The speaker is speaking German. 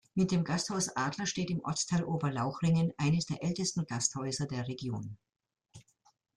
Mit dem Gasthaus Adler steht im Ortsteil Oberlauchringen eines der ältesten Gasthäuser der Region.